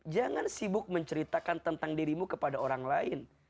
jangan sibuk menceritakan tentang dirimu kepada orang lain